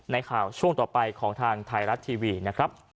ข่าวช่วงต่อไปของทางไทยรัฐทีวีนะครับ